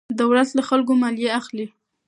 دولت له خلکو مالیه اخلي.